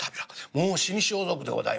もう死に装束でございますな。